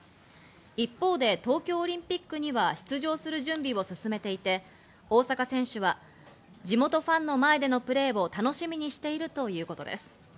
一方で東京オリンピックには出場する準備を進めていて、大坂選手は地元ファンの前でのプレーを楽しみにしているということです。